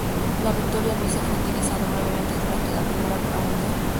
El "Viktoria Luise" fue utilizado brevemente durante la Primera Guerra Mundial.